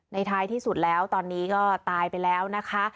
ท้ายที่สุดแล้วตอนนี้ก็ตายไปแล้วนะคะ